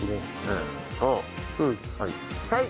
はい。